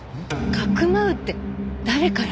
かくまうって誰から？